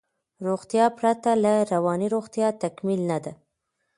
روغتیا پرته له روانی روغتیا تکمیل نده